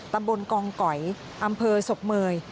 ตำบลกองก๋อยอำเภอศพเมย